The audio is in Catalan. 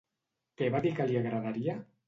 Què va dir que li agradaria?